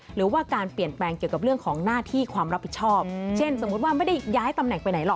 หรือว่าการเปลี่ยนแปลงเกี่ยวกับเรื่องของหน้าที่ความรับผิดชอบเช่นสมมุติว่าไม่ได้ย้ายตำแหน่งไปไหนหรอก